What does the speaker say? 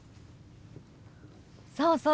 そうそう。